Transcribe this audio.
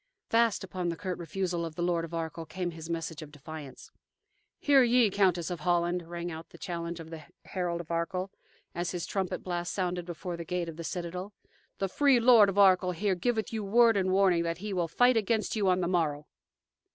Fast upon the curt refusal of the Lord of Arkell came his message of defiance. "Hear ye, Countess of Holland," rang out the challenge of the herald of Arkell, as his trumpet blast sounded before the gate of the citadel, "the free Lord of Arkell here giveth you word and warning that he will fight against you on the morrow!"